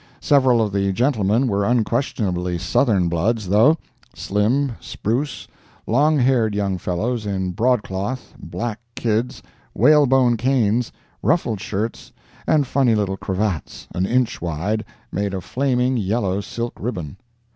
Several of the gentlemen were unquestionably Southern bloods, though—slim, spruce, long haired young fellows, in broadcloth, black kids, whalebone canes, ruffled shirts, and funny little cravats, an inch wide, made of flaming yellow silk ribbon.